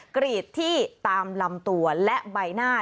กรีดที่ตามลำตัวและใบหน้า